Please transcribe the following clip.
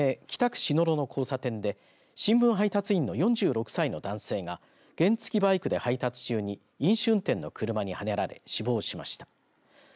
北区篠路の交差点で新聞配達員の４６歳の男性が原付きバイクで配達中に飲酒運転の車にはねられ死亡しました。